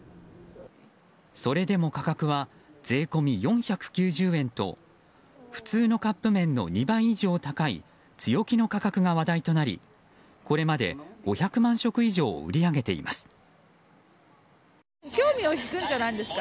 それでも価格は税込み４９０円と普通のカップ麺の２倍以上高い強気の価格が話題となりこれまで５００万食以上を売り上げています。